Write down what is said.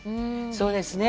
そうですね。